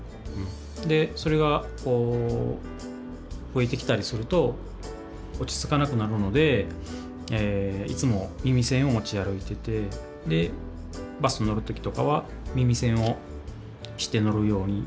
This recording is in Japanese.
でそれが聞こえてきたりすると落ち着かなくなるのでいつも耳栓を持ち歩いててバス乗る時とかは耳栓をして乗るようにしてます。